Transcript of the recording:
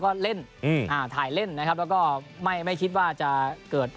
คืออันนี้ผมก็ไม่แน่ใจ